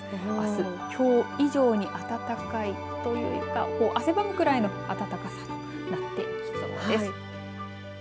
あす、きょう以上に暖かいというか汗ばむくらいの暖かさになってきそうです。